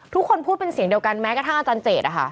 ทุกคนพูดเป็นเสียงเดียวกันแม้กระทั่งอาจารย์เจต